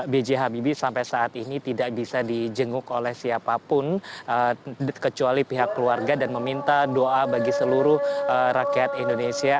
b j habibie sampai saat ini tidak bisa dijenguk oleh siapapun kecuali pihak keluarga dan meminta doa bagi seluruh rakyat indonesia